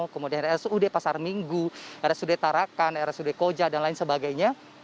kemudian rsud pasar minggu rsud tarakan rsud koja dan lain sebagainya